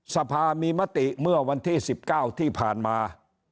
สภามีมติเมื่อวันที่๑๙ที่ผ่านมา